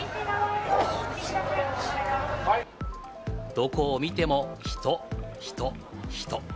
どこを見ても人、人、人。